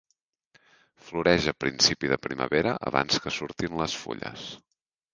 Floreix a principi de primavera abans que surtin les fulles.